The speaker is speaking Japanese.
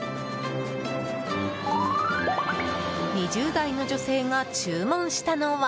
２０代の女性が注文したのは。